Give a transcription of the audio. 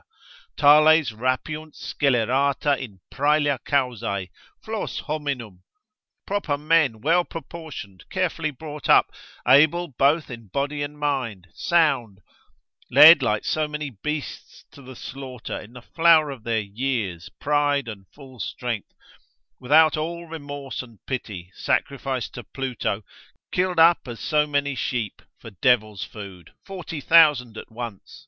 tales rapiunt scelerata in praelia causae. Flos hominum, proper men, well proportioned, carefully brought up, able both in body and mind, sound, led like so many beasts to the slaughter in the flower of their years, pride, and full strength, without all remorse and pity, sacrificed to Pluto, killed up as so many sheep, for devils' food, 40,000 at once.